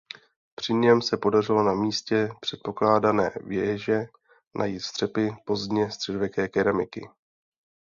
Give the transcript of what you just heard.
Při něm se podařilo na místě předpokládané věže najít střepy pozdně středověké keramiky.